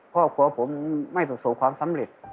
ครอบครัวผมไม่ประสบความสำเร็จ